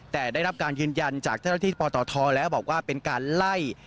แต่ได้รับการยืนยันจากเจ้าหน้าที่ปตทแล้วบอกว่าเป็นการไล่